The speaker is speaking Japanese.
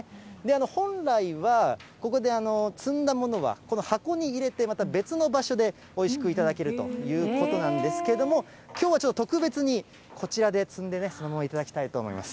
本来はここで摘んだものは、この箱に入れて、また別の場所でおいしく頂けるということなんですけれども、きょうはちょっと特別に、こちらで摘んでね、そのまま頂きたいと思います。